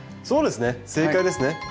そうですね正解ですね。